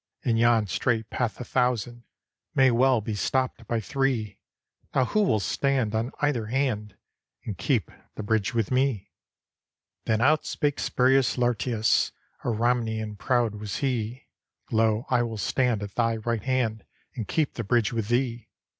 In yon strait path a thousand May well be stopped by three. Now who will stand on either hand, And keep the bridge with me?" Then out spake Spurius Lartius; A Ramnian proud was he : "Lo, I will stand at thy right hand. And keep the bridge with thee."